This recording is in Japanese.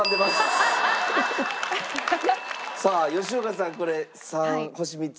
さあ吉岡さんこれ３星３つ。